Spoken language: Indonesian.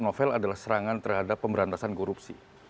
novel adalah serangan terhadap pemberantasan korupsi